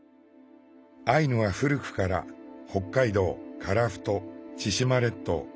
アイヌは古くから北海道樺太千島列島